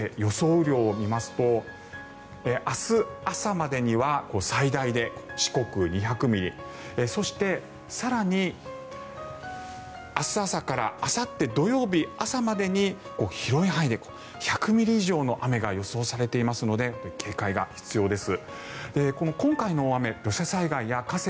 雨量を見ますと明日朝までには最大で四国２００ミリそして更に、明日朝からあさって土曜日朝までに広い範囲で１００ミリ以上の雨が予想されていますので警戒が必要です。